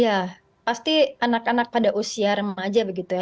ya pasti anak anak pada usia remaja begitu ya